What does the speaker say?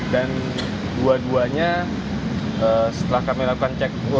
dan dua duanya setelah kami lakukan cek urin awal